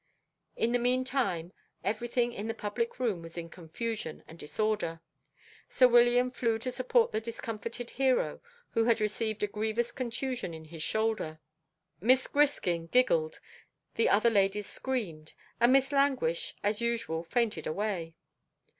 In the mean time, every thing in the public room was in confusion and disorder. Sir William flew to support the discomfited hero, who had received a grievous contusion in his shoulder. Miss Griskin giggled, the other ladies screamed, and Miss Languish, as usual, fainted away.